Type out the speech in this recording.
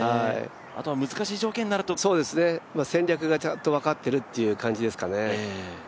あとは難しい条件になると戦略がちゃんと分かってるっていう感じですかね